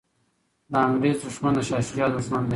د انګریز دښمن د شاه شجاع دښمن دی.